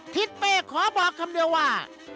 ทิศเป้ขอบอกคำเดียวว่า